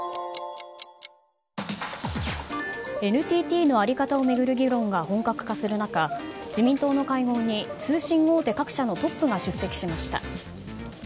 ＮＴＴのあり方を巡る議論が本格化する中自民党の会合に通信大手各社のトップが出席しました。